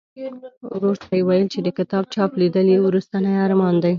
ورور ته یې ویل چې د کتاب چاپ لیدل یې وروستنی ارمان دی.